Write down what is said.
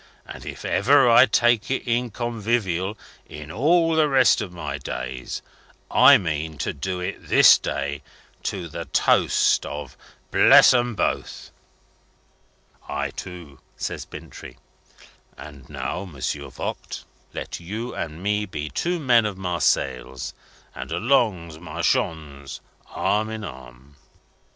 And if ever I take it in convivial, in all the rest of my days, I mean to do it this day, to the toast of 'Bless 'em both.'" "I, too!" says Bintrey. "And now, Monsieur Voigt, let you and me be two men of Marseilles, and allons, marchons, arm in arm!"